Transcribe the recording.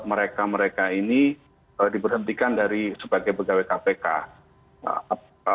mereka mereka ini diberhentikan dari sebagai pegawai kpk